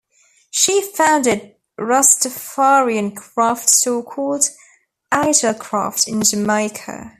She founded a Rastafarian craft store called "Ital Craft" in Jamaica.